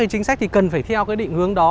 các chính sách cần phải theo định hướng đó